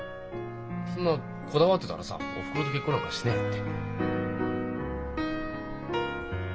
そんなこだわってたらさおふくろと結婚なんかしねえって。